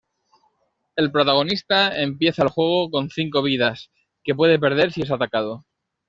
El protagonista empieza el juego con cinco vidas, que puede perder si es atacado.